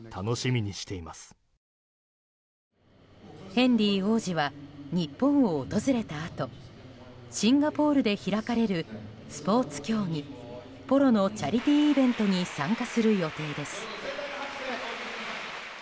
ヘンリー王子は日本を訪れたあとシンガポールで開かれるスポーツ競技ポロのチャリティーイベントに参加する予定です。